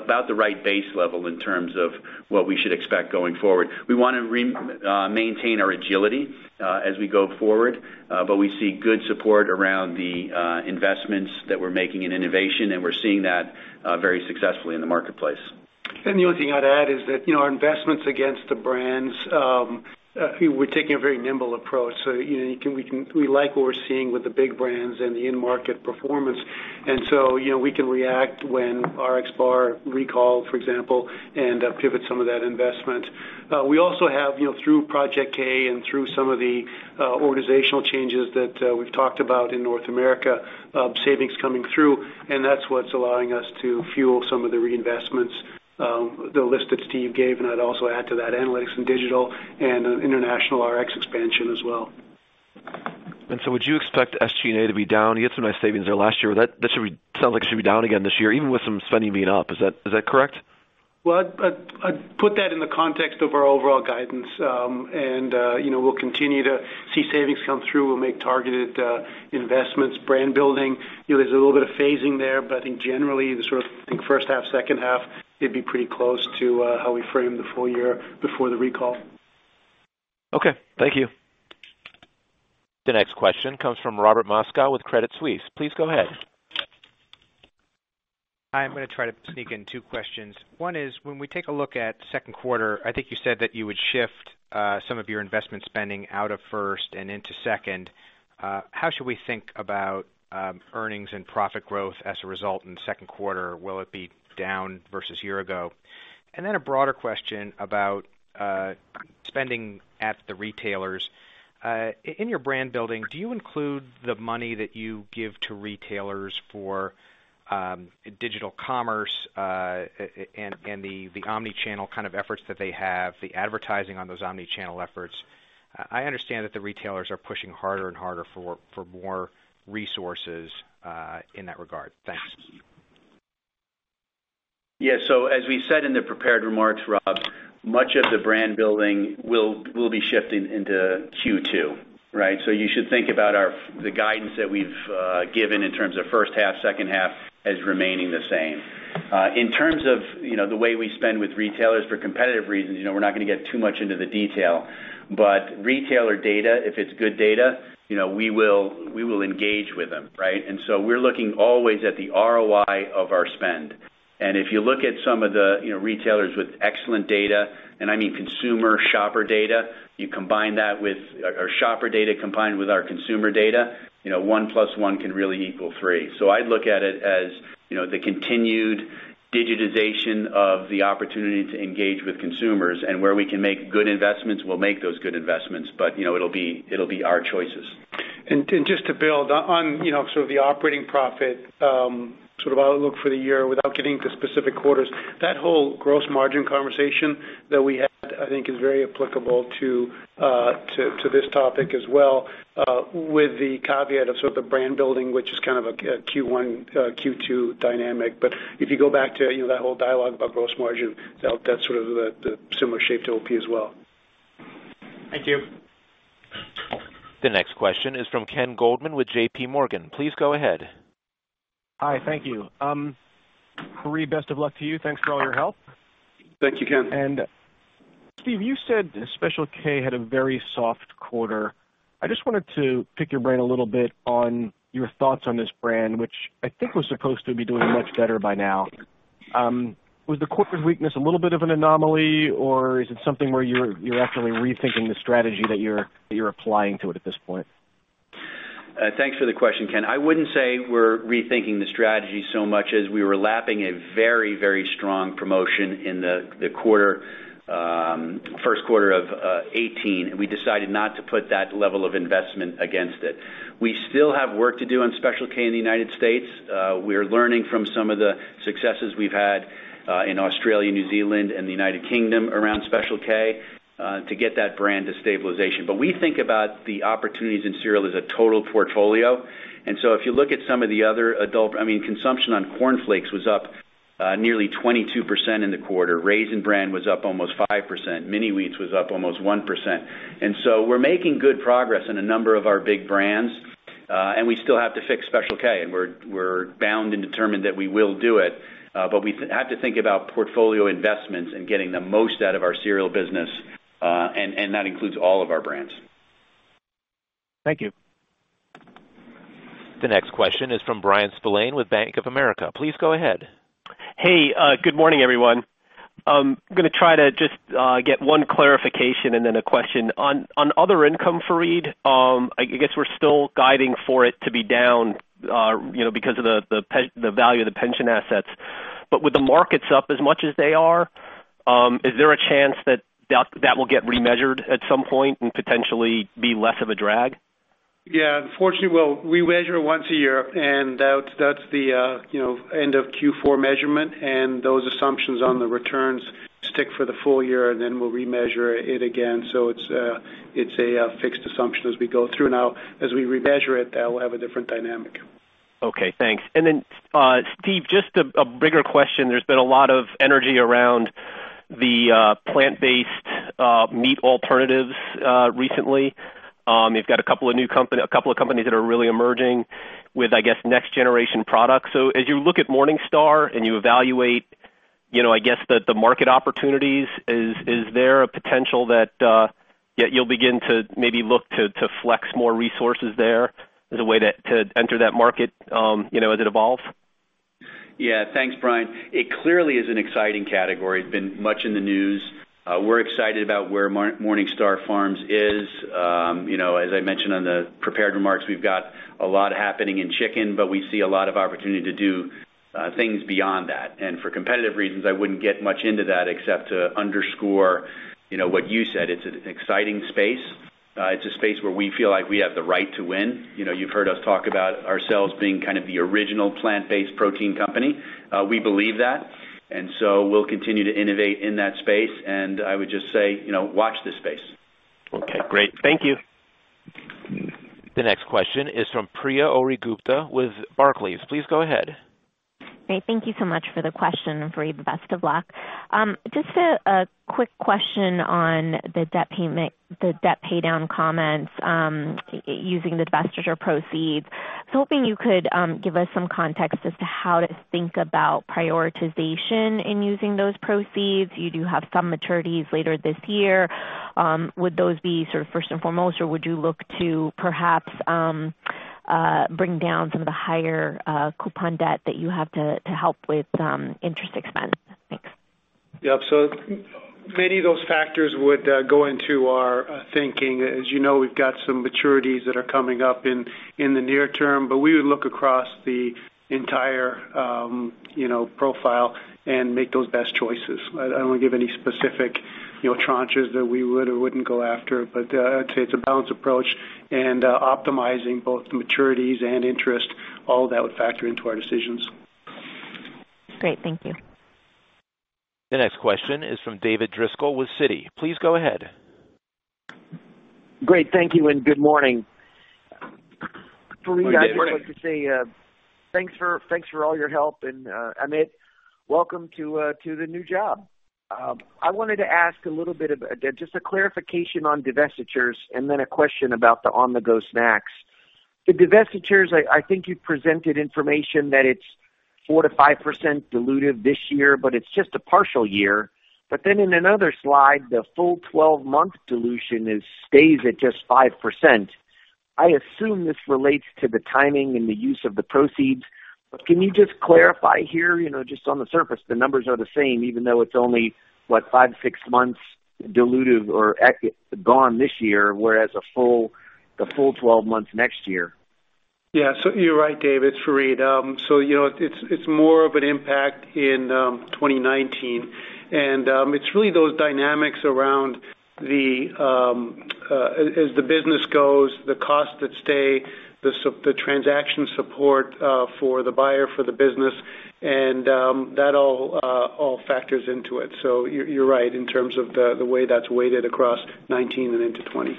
about the right base level in terms of what we should expect going forward. We want to maintain our agility as we go forward, but we see good support around the investments that we're making in innovation, and we're seeing that very successfully in the marketplace. The only thing I'd add is that our investments against the brands, we're taking a very nimble approach. We like what we're seeing with the big brands and the in-market performance, and so we can react when RXBAR recall, for example, and pivot some of that investment. We also have through Project K and through some of the organizational changes that we've talked about in North America, savings coming through, and that's what's allowing us to fuel some of the reinvestments, the list that Steve gave, and I'd also add to that analytics and digital and international RX expansion as well. Would you expect SG&A to be down? You had some nice savings there last year. That should sound like it should be down again this year, even with some spending being up. Is that correct? Well, I'd put that in the context of our overall guidance. We'll continue to see savings come through. We'll make targeted investments, brand building. There's a little bit of phasing there, but I think generally the sort of first half, second half, it'd be pretty close to how we framed the full year before the recall. Okay. Thank you. The next question comes from Robert Moskow with Credit Suisse. Please go ahead. Hi, I'm going to try to sneak in two questions. One is, when we take a look at second quarter, I think you said that you would shift some of your investment spending out of first and into second. How should we think about earnings and profit growth as a result in the second quarter? Will it be down versus year ago? Then a broader question about Spending at the retailers. In your brand building, do you include the money that you give to retailers for digital commerce and the omni-channel kind of efforts that they have, the advertising on those omni-channel efforts? I understand that the retailers are pushing harder and harder for more resources in that regard. Thanks. Yeah. As we said in the prepared remarks, Rob, much of the brand building will be shifting into Q2, right? You should think about the guidance that we've given in terms of first half, second half, as remaining the same. In terms of the way we spend with retailers, for competitive reasons, we're not going to get too much into the detail, but retailer data, if it's good data, we will engage with them, right? We're looking always at the ROI of our spend. If you look at some of the retailers with excellent data, and I mean consumer-shopper data, you combine that with our shopper data, combined with our consumer data, one plus one can really equal three. I'd look at it as the continued digitization of the opportunity to engage with consumers and where we can make good investments, we'll make those good investments. It'll be our choices. Just to build on sort of the operating profit sort of outlook for the year, without getting into specific quarters, that whole gross margin conversation that we had, I think is very applicable to this topic as well, with the caveat of sort of the brand building, which is kind of a Q1, Q2 dynamic. If you go back to that whole dialogue about gross margin, that's sort of the similar shape to OP as well. Thank you. The next question is from Kenneth Goldman with J.P. Morgan. Please go ahead. Hi. Thank you. Fareed, best of luck to you. Thanks for all your help. Thank you, Ken. Steve, you said Special K had a very soft quarter. I just wanted to pick your brain a little bit on your thoughts on this brand, which I think was supposed to be doing much better by now. Was the quarter's weakness a little bit of an anomaly, or is it something where you're actually rethinking the strategy that you're applying to it at this point? Thanks for the question, Ken. I wouldn't say we're rethinking the strategy so much as we were lapping a very, very strong promotion in the first quarter of 2018. We decided not to put that level of investment against it. We still have work to do on Special K in the United States. We're learning from some of the successes we've had in Australia, New Zealand, and the United Kingdom around Special K to get that brand to stabilization. We think about the opportunities in cereal as a total portfolio. If you look at some of the other Consumption on Corn Flakes was up nearly 22% in the quarter. Raisin Bran was up almost 5%. Mini-Wheats was up almost 1%. We're making good progress in a number of our big brands. We still have to fix Special K, and we're bound and determined that we will do it. We have to think about portfolio investments and getting the most out of our cereal business, and that includes all of our brands. Thank you. The next question is from Bryan Spillane with Bank of America. Please go ahead. Hey, good morning, everyone. I'm going to try to just get one clarification and then a question. On other income, Fareed, I guess we're still guiding for it to be down because of the value of the pension assets. With the markets up as much as they are, is there a chance that that will get remeasured at some point and potentially be less of a drag? Yeah, unfortunately, we measure once a year, and that's the end of Q4 measurement, and those assumptions on the returns stick for the full year, and then we'll remeasure it again. It's a fixed assumption as we go through. Now, as we remeasure it, that will have a different dynamic. Okay, thanks. Then, Steve, just a bigger question. There's been a lot of energy around the plant-based meat alternatives recently. You've got a couple of companies that are really emerging with, I guess, next generation products. As you look at MorningStar and you evaluate, I guess the market opportunities, is there a potential that you'll begin to maybe look to flex more resources there as a way to enter that market as it evolves? Yeah, thanks, Bryan. It clearly is an exciting category. It has been much in the news. We are excited about where MorningStar Farms is. As I mentioned on the prepared remarks, we have got a lot happening in chicken, but we see a lot of opportunity to do things beyond that. For competitive reasons, I would not get much into that except to underscore what you said. It is an exciting space. It is a space where we feel like we have the right to win. You have heard us talk about ourselves being kind of the original plant-based protein company. We believe that. So we will continue to innovate in that space, and I would just say, watch this space. Okay, great. Thank you. The next question is from Priya Ohri-Gupta with Barclays. Please go ahead. Great. Thank you so much for the question, Fareed. Best of luck. Just a quick question on the debt paydown comments using the divestiture proceeds. I was hoping you could give us some context as to how to think about prioritization in using those proceeds. You do have some maturities later this year. Would those be sort of first and foremost, or would you look to perhaps bring down some of the higher coupon debt that you have to help with interest expense? Thanks. Yep. Many of those factors would go into our thinking, as you know, we've got some maturities that are coming up in the near term, but we would look across the entire profile and make those best choices. I don't want to give any specific tranches that we would or wouldn't go after, but I'd say it's a balanced approach and optimizing both maturities and interest, all of that would factor into our decisions. Great. Thank you. The next question is from David Driscoll with Citi. Please go ahead. Great. Thank you, and good morning. Good morning, David. Fareed, I'd just like to say thanks for all your help and Amit, welcome to the new job. I wanted to ask just a clarification on divestitures and then a question about the on-the-go snacks. The divestitures, I think you presented information that it's 4%-5% dilutive this year, but it's just a partial year. In another slide, the full 12-month dilution stays at just 5%. I assume this relates to the timing and the use of the proceeds, but can you just clarify here, just on the surface, the numbers are the same even though it's only what, five, six months dilutive or gone this year, whereas the full 12 months next year. Yeah. You're right, David. It's Fareed. It's more of an impact in 2019, and it's really those dynamics around as the business goes, the costs that stay, the transaction support for the buyer for the business, and that all factors into it. You're right in terms of the way that's weighted across 2019 and into 2020.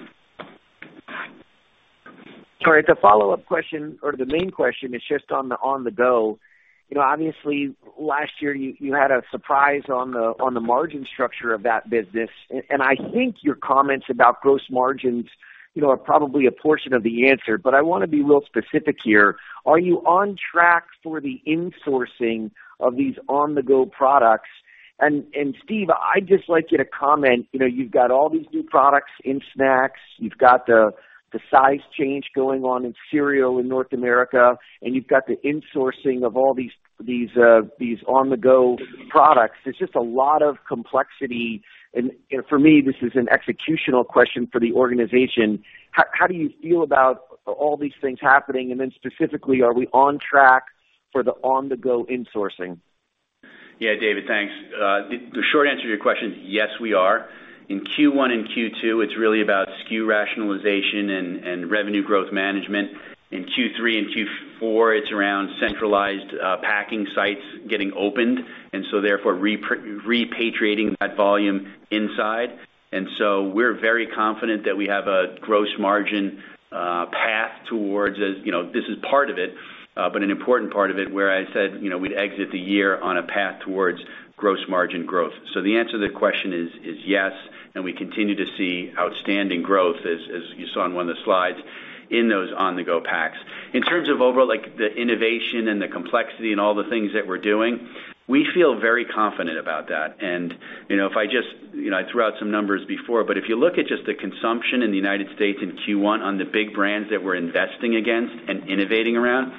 All right, the follow-up question or the main question is just on the on-the-go. Obviously, last year, you had a surprise on the margin structure of that business, and I think your comments about gross margins are probably a portion of the answer, but I want to be real specific here. Are you on track for the insourcing of these on-the-go products? Steve, I'd just like you to comment, you've got all these new products in snacks. You've got the size change going on in cereal in North America, and you've got the insourcing of all these on-the-go products. There's just a lot of complexity, and for me, this is an executional question for the organization. How do you feel about all these things happening, specifically, are we on track for the on-the-go insourcing? David. Thanks. The short answer to your question is yes, we are. In Q1 and Q2, it's really about SKU rationalization and revenue growth management. In Q3 and Q4, it's around centralized packing sites getting opened, therefore repatriating that volume inside. We're very confident that we have a gross margin path towards this is part of it, but an important part of it, where I said we'd exit the year on a path towards gross margin growth. The answer to that question is yes, and we continue to see outstanding growth as you saw on one of the slides in those on-the-go packs. In terms of overall the innovation and the complexity and all the things that we're doing, we feel very confident about that. I threw out some numbers before, but if you look at just the consumption in the U.S. in Q1 on the big brands that we're investing against and innovating around,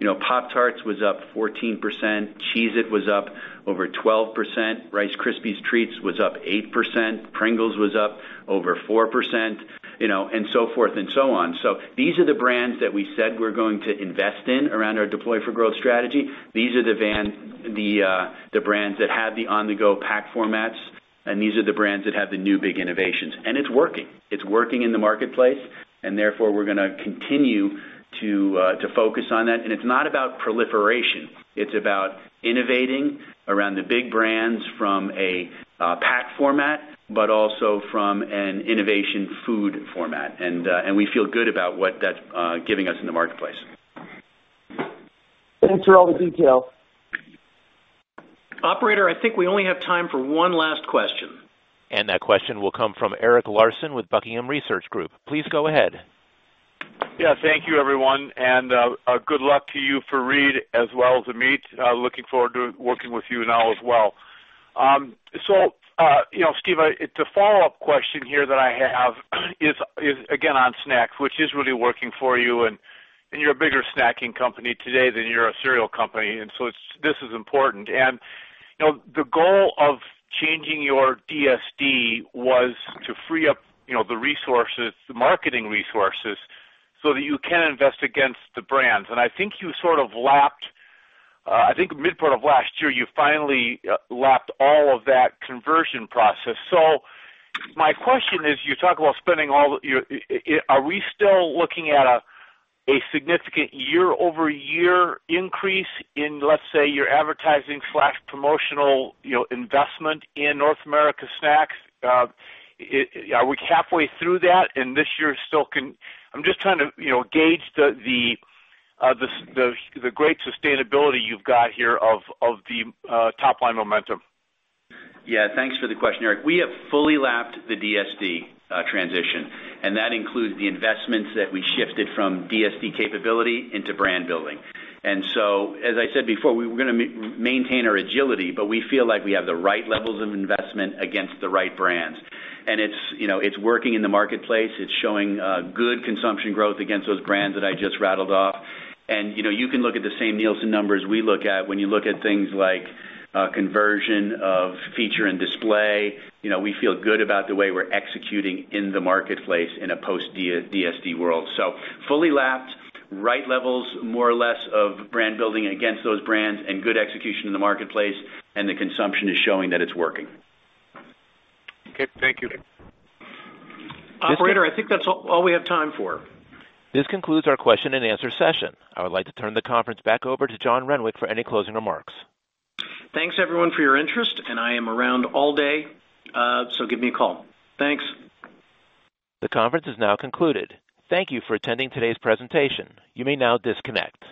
Pop-Tarts was up 14%, Cheez-It was up over 12%, Rice Krispies Treats was up 8%, Pringles was up over 4%, and so forth and so on. These are the brands that we said we're going to invest in around our Deploy for Growth strategy. These are the brands that have the on-the-go pack formats, and these are the brands that have the new big innovations. It's working. It's working in the marketplace, therefore, we're going to continue to focus on that. It's not about proliferation. It's about innovating around the big brands from a pack format, but also from an innovation food format. We feel good about what that's giving us in the marketplace. Thanks for all the detail. Operator, I think we only have time for one last question. That question will come from Eric Larson with Buckingham Research Group. Please go ahead. Thank you, everyone, and good luck to you, Fareed, as well as Amit. Looking forward to working with you now as well. Steve, the follow-up question here that I have is again, on snacks, which is really working for you're a bigger snacking company today than you're a cereal company, this is important. The goal of changing your DSD was to free up the marketing resources so that you can invest against the brands. I think mid part of last year, you finally lapped all of that conversion process. My question is, are we still looking at a significant year-over-year increase in, let's say, your advertising/promotional investment in North America snacks? Are we halfway through that and this year I'm just trying to gauge the great sustainability you've got here of the top-line momentum. Thanks for the question, Eric. We have fully lapped the DSD transition, that includes the investments that we shifted from DSD capability into brand building. As I said before, we were going to maintain our agility, but we feel like we have the right levels of investment against the right brands. It's working in the marketplace. It's showing good consumption growth against those brands that I just rattled off. You can look at the same Nielsen numbers we look at when you look at things like conversion of feature and display. We feel good about the way we're executing in the marketplace in a post-DSD world. Fully lapped, right levels, more or less, of brand building against those brands, and good execution in the marketplace, and the consumption is showing that it's working. Okay. Thank you. Operator, I think that's all we have time for. This concludes our question and answer session. I would like to turn the conference back over to John Renwick for any closing remarks. Thanks, everyone, for your interest, and I am around all day, so give me a call. Thanks. The conference is now concluded. Thank you for attending today's presentation. You may now disconnect.